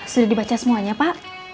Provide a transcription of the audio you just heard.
sudah dibaca semuanya pak